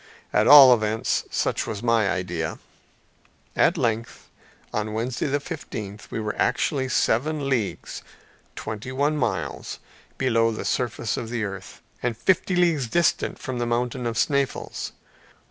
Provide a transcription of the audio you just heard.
At all events, such was my idea. At length, on Wednesday the fifteenth, we were actually seven leagues (twenty one miles) below the surface of the earth, and fifty leagues distant from the mountain of Sneffels.